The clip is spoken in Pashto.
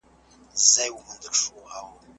په روغتون کې غلی اوسئ.